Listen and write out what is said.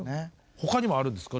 他にもあるんですか？